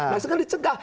nah sekali dicegah